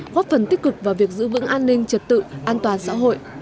góp phần tích cực vào việc giữ vững an ninh trật tự an toàn xã hội